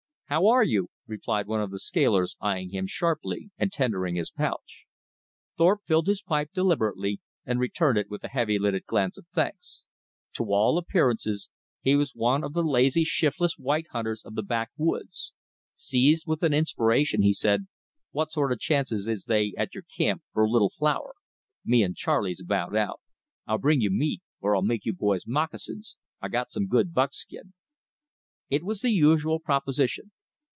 "How are you," replied one of the scalers, eying him sharply, and tendering his pouch. Thorpe filled his pipe deliberately, and returned it with a heavy lidded glance of thanks. To all appearances he was one of the lazy, shiftless white hunters of the backwoods. Seized with an inspiration, he said, "What sort of chances is they at your camp for a little flour? Me and Charley's about out. I'll bring you meat; or I'll make you boys moccasins. I got some good buckskin." It was the usual proposition.